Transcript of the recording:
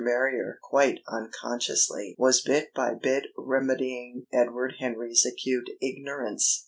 Marrier, quite unconsciously, was bit by bit remedying Edward Henry's acute ignorance.